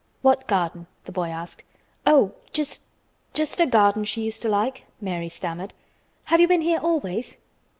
"What garden?" the boy asked. "Oh! just—just a garden she used to like," Mary stammered. "Have you been here always?"